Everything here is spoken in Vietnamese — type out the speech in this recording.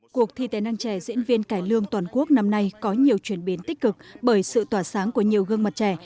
cuộc thi tài năng trẻ diễn viên cải lương toàn quốc năm nay có nhiều chuyển biến tích cực bởi sự tỏa sáng của nhiều gương mặt trẻ